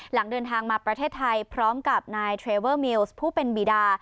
หลังเดินทางมาประเทศไทยพร้อมกับนายเทรเวอร์มิวส์ผู้เป็นบีดา